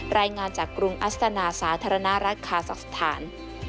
รายงานจากกรุงอัสตานาสาธารณรัฐคาซักสถาน